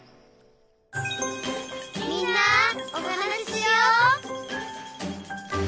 「みんなおはなししよう」